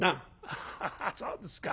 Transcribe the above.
「ハハハそうですか。